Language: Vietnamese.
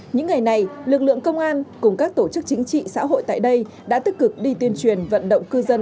những ngày này lực lượng công an cùng các tổ chức chính trị xã hội tại đây đã tích cực đi tuyên truyền vận động cư dân